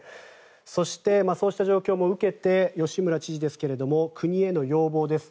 そして、そうした状況も受けて吉村知事ですが国への要望です。